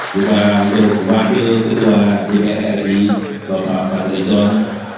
juga untuk pakil ketua dpr ri bapak pak rizal